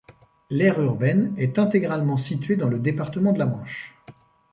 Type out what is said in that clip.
L'aire urbaine est intégralement située dans le département de la Manche.